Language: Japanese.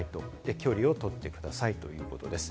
距離をとってくださいということです。